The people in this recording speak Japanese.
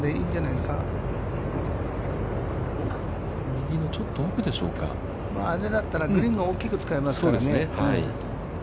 まあ狙ったら、グリーンを大きく使えますから。